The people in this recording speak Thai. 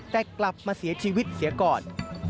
แต่กลับมาเสียชีวิตเสียก่อน